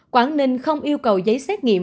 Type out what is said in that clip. quảng ninh không yêu cầu giấy xét nghiệm